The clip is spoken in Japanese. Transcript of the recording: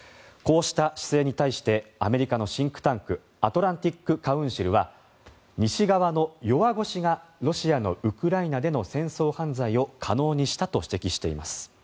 こうした姿勢に対してアメリカのシンクタンクアトランティック・カウンシルは西側の弱腰がロシアのウクライナでの戦争犯罪を可能にしたと指摘しています。